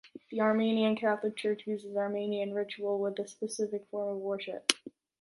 The Armenian catholic church uses the Armenian ritual with a specific form of worship.